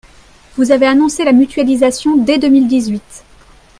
Vous avez annoncé la mutualisation dès deux mille dix-huit.